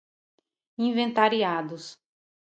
inventariados